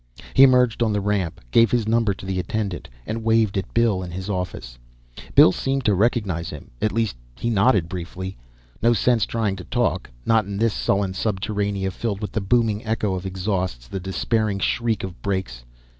He emerged on the ramp, gave his number to the attendant, and waved at Bill in his office. Bill seemed to recognize him; at least he nodded, briefly. No sense trying to talk not in this sullen subterranea, filled with the booming echo of exhausts, the despairing shriek of brakes.